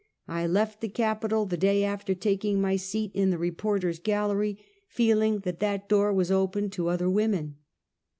I left the capitol the day after taking my seat in the reporter's gallery, feeling that that door was open to other women.